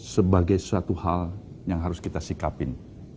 sebagai suatu hal yang harus kita sikapin